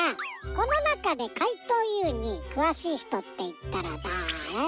このなかでかいとうＵにくわしいひとっていったらだあれ？